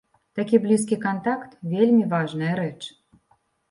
Такі блізкі кантакт вельмі важная рэч!